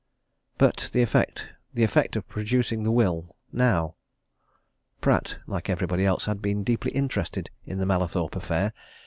But the effect the effect of producing the will now? Pratt, like everybody else, had been deeply interested in the Mallathorpe affair.